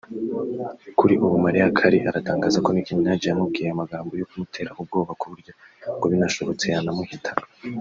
Kuri ubu Mariah Carey aratangaza ko Nicki Minaj yamubwiye amagambo yo kumutera ubwoba ku buryo ngo binashobotse yanamuhitana